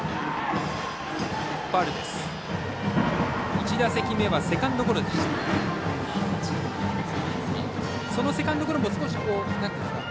１打席目はセカンドゴロでした。